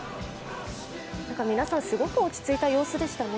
皆さんすごく落ち着いた様子でしたね。